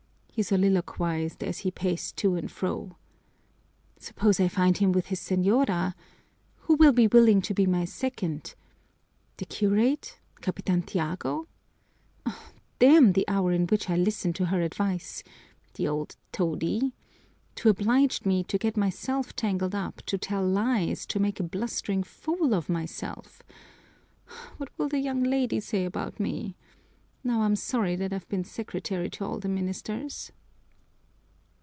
he soliloquized, as he paced to and fro. "Suppose I find him with his señora? Who will be willing to be my second? The curate? Capitan Tiago? Damn the hour in which I listened to her advice! The old toady! To oblige me to get myself tangled up, to tell lies, to make a blustering fool of myself! What will the young lady say about me? Now I'm sorry that I've been secretary to all the ministers!"